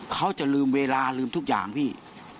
เขาจะลืมเวลาลืมทุกอย่างพี่